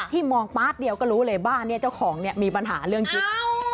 ที่มองพาร์ทเดียวก็รู้เลยบ้านเจ้าของมีปัญหาเรื่องคิด